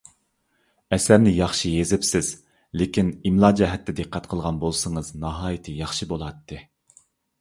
ئەسەرنى ياخشى يېزىپسىز، لېكىن ئىملا جەھەتتە دىققەت قىلغان بولسىڭىز ناھايىتى ياخشى بولاتتى.